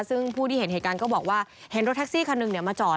ซึ่งผู้ที่เห็นเหตุการณ์ก็บอกว่าเห็นรถแท็กซี่คันหนึ่งมาจอด